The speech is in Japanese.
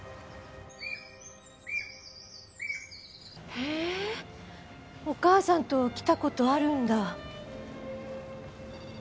へえお母さんと来た事あるんだ。